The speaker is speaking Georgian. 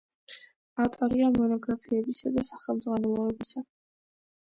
ავტორია მონოგრაფიებისა და სახელმძღვანელოებისა.